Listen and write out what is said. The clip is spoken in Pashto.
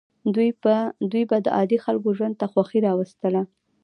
دوی به د عادي خلکو ژوند ته خوښي راوستله.